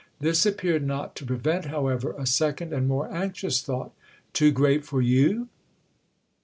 This appeared not to prevent, however, a second and more anxious thought. "Too great for you?"